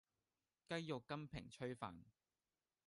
雞肉金平炊飯